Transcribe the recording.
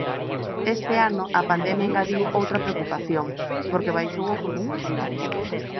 Este ano a pandemia engadiu outra preocupación, porque baixou o consumo.